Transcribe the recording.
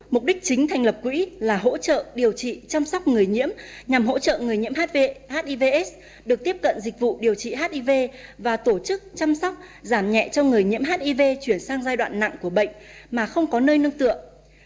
mục đích chính thành lập quỹ là hỗ trợ điều trị chăm sóc người nhiễm nhằm hỗ trợ người nhiễm hivs được tiếp cận dịch vụ điều trị hiv và tổ chức chăm sóc giảm nhẹ cho người nhiễm hiv chuyển sang giai đoạn nặng của bệnh mà không có nơi nâng tượng